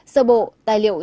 sơ bộ tài liệu do